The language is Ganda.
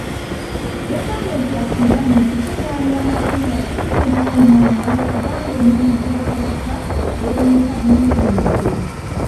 Yagambye nti akimanyi okukunganya Amakula simulimu mwangu kubanga emirimu gya Kabaka beebinika myebinike.